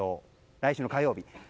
来週の火曜日。